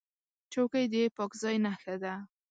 چوکۍ د پاک ځای نښه ده.